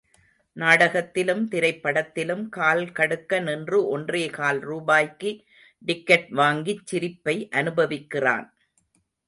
நாடகத்திலும் திரைப்படத்திலும் கால்கடுக்க நின்று ஒன்றேகால் ரூபாய்க்கு டிக்கெட் வாங்கிச் சிரிப்பை அனுபவிக்கிறான்.